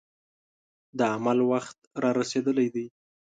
د عمل وخت را رسېدلی دی.